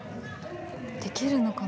できるのかな？